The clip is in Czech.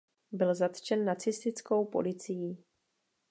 Byl zatčen nacistickou policií.